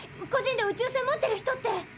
個人で宇宙船持ってる人って！